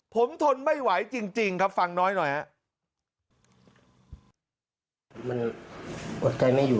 ผมทนไม่ไหวจริงครับฟังน้อยหน่อยครับ